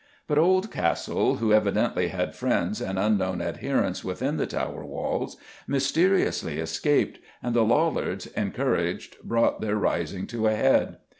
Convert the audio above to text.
But Oldcastle, who evidently had friends and unknown adherents within the Tower walls, mysteriously escaped, and the Lollards, encouraged, brought their rising to a head.